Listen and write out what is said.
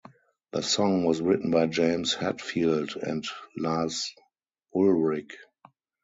The song was written by James Hetfield and Lars Ulrich.